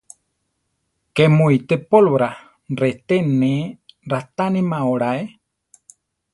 ¿Ké mu ité pólvora? reté ne raʼtánema oláe.